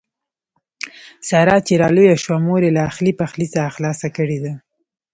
ساره چې را لویه شوه مور یې له اخلي پخلي څخه خلاصه کړې ده.